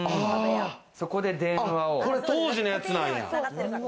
これ当時のやつなんや。